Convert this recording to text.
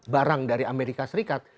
barang dari amerika serikat